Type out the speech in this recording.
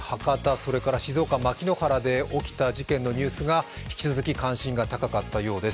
それから静岡県牧之原市で起きた事件が引き続き関心が高かったようです。